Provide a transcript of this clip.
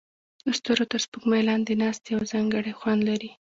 د ستورو تر سپوږمۍ لاندې ناستې یو ځانګړی خوند لري.